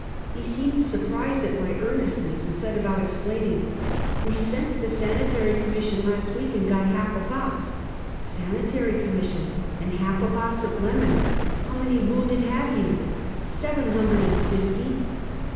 He seemed surprised at my earnestness, and set about explaining: " We sent to the Sanitary Commission last week, and got half a box." "Sanitary Commission, and half a box of lemons? How many wounded have you?" " Seven hundred and fifty."